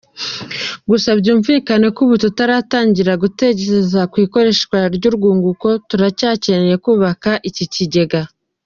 Gusa byumvikane ko ubu tutaratangira gutekereza ku ikoreshwa ry’urwunguko, turacyakeneye kubaka iki kigega.